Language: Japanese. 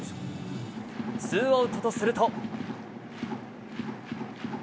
ツーアウトとすると。